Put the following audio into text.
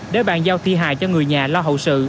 để bàn giao thi hài cho người nhà